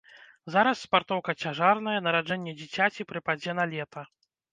Зараз спартоўка цяжарная, нараджэнне дзіцяці прыпадзе на лета.